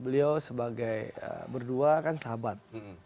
beliau sebagai berdua kan sahabat